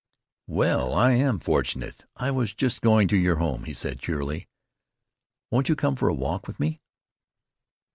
"Well, I am fortunate. I was just going to your home," he said cheerily. "Won't you come for a walk with me?"